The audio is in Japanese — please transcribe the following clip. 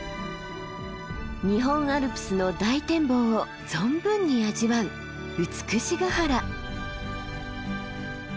日本アルプスの大展望を存分に味わう美ヶ原。